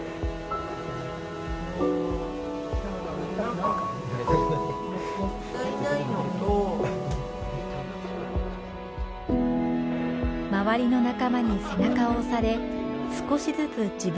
周りの仲間に背中を押され少しずつ自分を出し始めた麻貴さん。